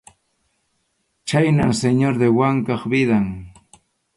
Khaynam Señor de Wankap vidan.